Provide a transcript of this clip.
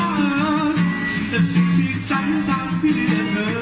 แต่สิ่งที่ฉันทำที่ได้เธอ